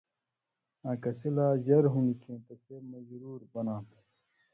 آں کَسی لا جر ہُوندیۡ کھیں تسے مجرُور بناں تھہ